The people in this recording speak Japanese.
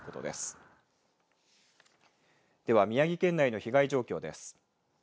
では宮城県内の被害状況です。